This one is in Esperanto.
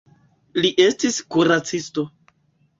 Li estis kuracisto.